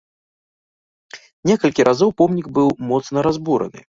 Некалькі разоў помнік быў моцна разбураны.